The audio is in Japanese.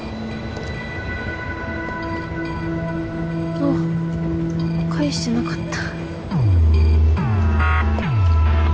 あっ返してなかった。